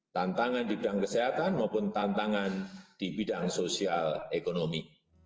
tantangan di bidang kesehatan maupun tantangan di bidang sosial ekonomi